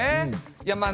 いやまあ